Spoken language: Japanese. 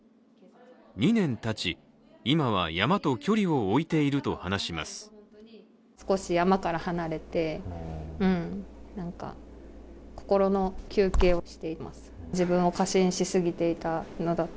２年たち今は山と距離を置いていると話します。